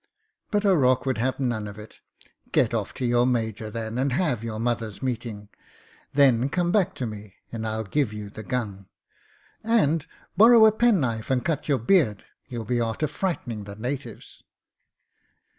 But O'Rourke would have none of it "Get off to your major, then, and have your mothers' meeting. Then come back to me, and Til give you the gun. And borrow a penknife and cut yoiu* beard — you'll be after frightening the natives."